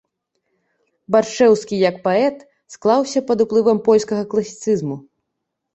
Баршчэўскі як паэт склаўся пад уплывам польскага класіцызму.